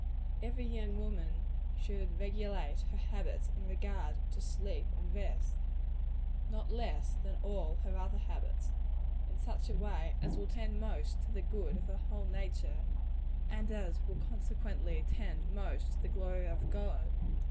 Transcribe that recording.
Every young woman should regulate her habits in regard to sleep and rest not less than all her other habits in such a way as will tend most to the good of her whole nature and as will consequently tend most to the glory of God.